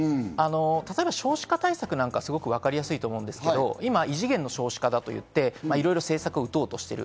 少子化対策なんかはわかりやすいと思うんですけど、異次元の少子化だと言って、いろいろ政策を打とうとしている。